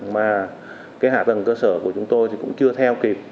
mà cái hạ tầng cơ sở của chúng tôi thì cũng chưa theo kịp